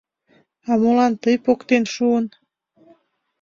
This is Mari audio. — А молан тый поктен шуын?